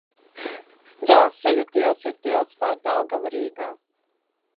Dzelzceļa tilts ir tilts pār Daugavu Rīgā.